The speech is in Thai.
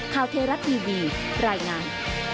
ข่าวเทราะห์ทีวีรายงาน